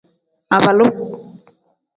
Abaalu.